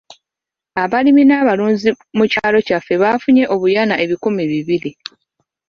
Abalimi n'abalunzi mu kyalo kyaffe bafunye obuyana ebikumi bibiri.